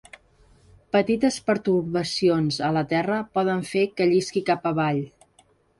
Petites pertorbacions a la terra poden fer que llisqui cap avall.